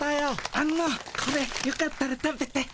あのこれよかったら食べて。